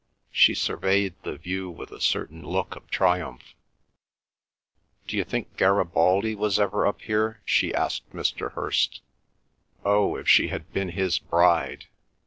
She surveyed the view with a certain look of triumph. "D'you think Garibaldi was ever up here?" she asked Mr. Hirst. Oh, if she had been his bride!